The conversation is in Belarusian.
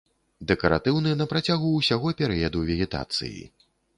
Дэкаратыўны на працягу ўсяго перыяду вегетацыі.